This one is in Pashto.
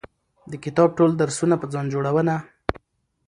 د کتاب ټول درسونه په ځان جوړونه